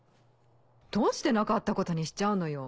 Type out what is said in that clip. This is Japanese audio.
どうしてなかったことにしちゃうのよ。